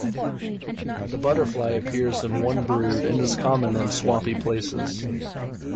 The butterfly appears in one brood and is common in swampy places.